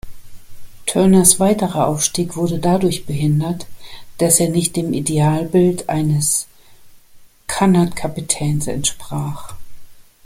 Turners weiterer Aufstieg wurde dadurch behindert, dass er nicht dem Idealbild eines Cunard-Kapitäns entsprach.